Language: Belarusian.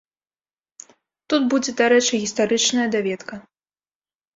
Тут будзе дарэчы гістарычная даведка.